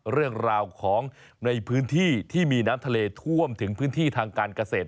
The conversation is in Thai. เรื่องราวของในพื้นที่ที่มีน้ำทะเลท่วมถึงพื้นที่ทางการเกษตร